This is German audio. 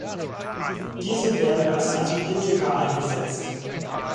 Diese werden als Antibiotika eingesetzt.